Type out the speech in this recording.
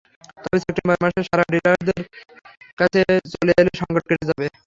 তবে সেপ্টেম্বর মাসের সার ডিলারদের কাছে চলে এলে সংকট কেটে যাবে।